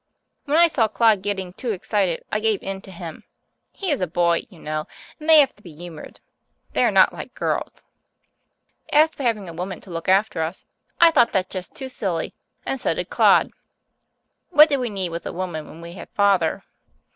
When I saw Claude getting too excited I gave in to him. He is a boy, you know, and they have to be humoured; they are not like girls. As for having a woman to look after us, I thought that just too silly, and so did Claude. What did we need with a woman when we had Father?